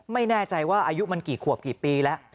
ไม่แน่ใจว่าอายุมันกี่ขวบกี่ปีแล้ว